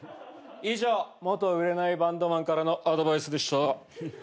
以上元売れないバンドマンからのアドバイスでした。